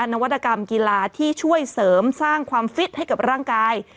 นวัตกรรมกีฬาที่ช่วยเสริมสร้างความฟิตให้กับร่างกาย